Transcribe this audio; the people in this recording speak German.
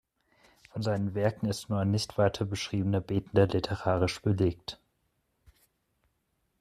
Von seinen Werken ist nur ein nicht weiter beschriebener "Betender" literarisch belegt.